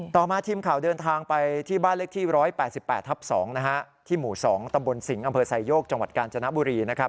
ต่อมาทีมข่าวเดินทางไปที่บ้านเลขที่๑๘๘ทับ๒นะฮะที่หมู่๒ตำบลสิงห์อำเภอไซโยกจังหวัดกาญจนบุรีนะครับ